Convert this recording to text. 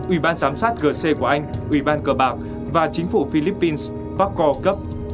ủy ban giám sát gc của anh ủy ban cờ bạc và chính phủ philippines pakore cup